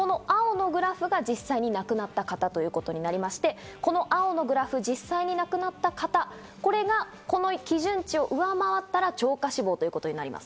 青のグラフが実際に亡くなった方ということになりまして、この青のグラフ、実際に亡くなった方、これがこの基準値を上回ったら超過死亡ということになります。